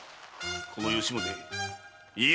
この吉宗家康